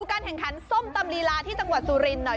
การแข่งขันส้มตำลีลาที่จังหวัดสุรินทร์หน่อย